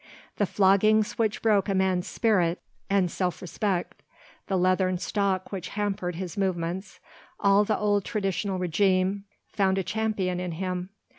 The floggings which broke a man's spirit and self respect, the leathern stock which hampered his movements, all the old traditional regime found a champion in him.